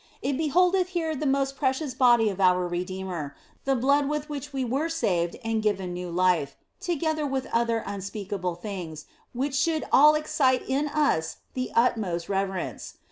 It beholdeth here the most precious body of our Redeemer, the blood with which we were saved and given new life, together with other unspeakable things, which should all excite in us 152 THE BLESSED ANGELA the utmost reverence.